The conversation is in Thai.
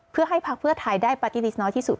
เพื่อให้พักเพื่อไทยได้ปาร์ตี้ลิสต์น้อยที่สุด